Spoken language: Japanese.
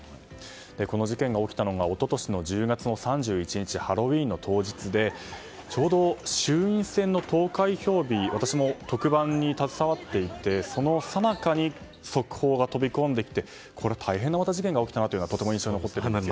この事件が起きたのが一昨年１０月の３１日ハロウィーンの当日でちょうど衆院選の投開票日私も特番に携わっていてそのさなかに速報が飛び込んできてこれは大変な事件が起きたというのがとても印象に残っています。